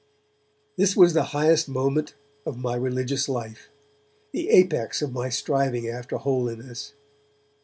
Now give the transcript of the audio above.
This was the highest moment of my religious life, the apex of my striving after holiness.